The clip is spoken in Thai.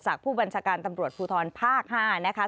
ผู้บัญชาการตำรวจภูทรภาค๕นะคะ